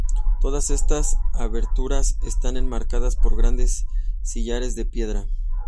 Todas estas aberturas están enmarcadas por grandes sillares de piedra.